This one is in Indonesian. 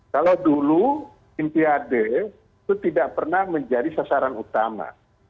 kalau dulu olimpiade itu tidak pernah menjadi sasaran utama